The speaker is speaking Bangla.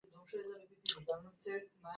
সিংহের সহিত শৃগালের তুলনা কর।